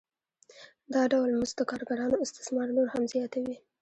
دا ډول مزد د کارګرانو استثمار نور هم زیاتوي